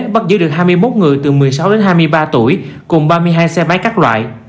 bắt giữ được hai mươi một người từ một mươi sáu đến hai mươi ba tuổi cùng ba mươi hai xe máy các loại